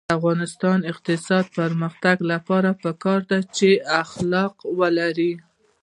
د افغانستان د اقتصادي پرمختګ لپاره پکار ده چې اخلاق ولرو.